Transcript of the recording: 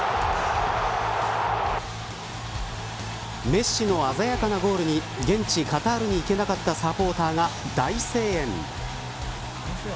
メッシの鮮やかなゴールに現地カタールに行けなかったサポーターが大声援。